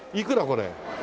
これ。